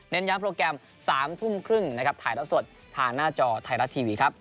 ย้ำโปรแกรม๓ทุ่มครึ่งนะครับถ่ายแล้วสดทางหน้าจอไทยรัฐทีวีครับ